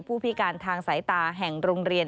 ผู้พิการทางสายตาแห่งโรงเรียน